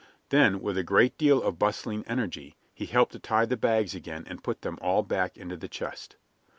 Then, with a great deal of bustling energy, he helped to tie the bags again and put them all back into the chest.